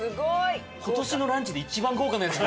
今年のランチで一番豪華なやつ。